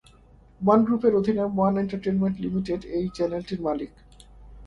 One group এর অধীন one entertainment limited এই চ্যানেলটির মালিক।